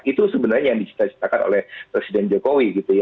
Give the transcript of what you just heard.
itu sebenarnya yang diciptakan oleh presiden jokowi